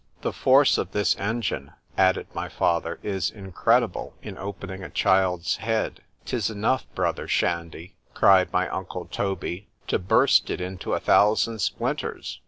——The force of this engine, added my father, is incredible in opening a child's head.——'Tis enough, brother Shandy, cried my uncle Toby, to burst it into a thousand splinters.